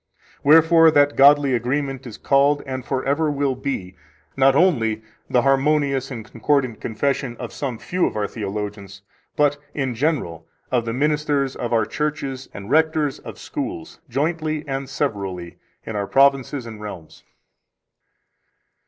Wherefore that godly agreement is called, and forever will be, not only the harmonious and concordant confession of some few of our theologians, but, in general, of the ministers of our churches and rectors of schools, jointly and severally, in our provinces and realms.